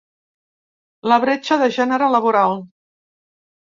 La bretxa de gènere laboral.